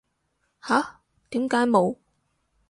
吓？點解冇